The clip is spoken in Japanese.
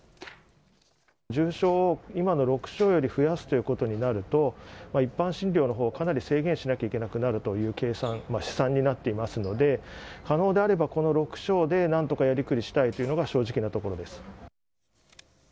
重症を今の６床より増やすということになると、一般診療のほう、かなり制限しなきゃいけなくなるという計算、試算になっていますので、可能であれば、この６床でなんとかやりくりしたいというのが正直なところです。